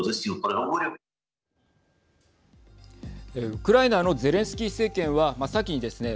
ウクライナのゼレンスキー政権は先にですね